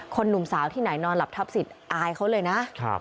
หนุ่มสาวที่ไหนนอนหลับทับสิทธิ์อายเขาเลยนะ